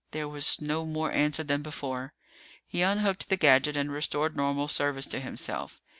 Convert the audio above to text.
There was no more answer than before. He unhooked the gadget and restored normal service to himself.